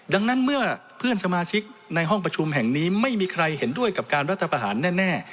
ดังนั้นเมื่อเพื่อนสมาชิกในห้องประชุมแห่งนี้ไม่มีใครเห็นด้วยกับการรัฐประหารแน่